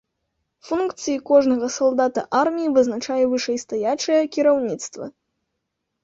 Функцыі кожнага салдата арміі вызначае вышэйстаячае кіраўніцтва.